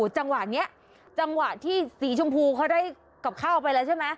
จังหวะที่สีชมพูเขาได้กลับเข้าไปแล้วใช่มั้ย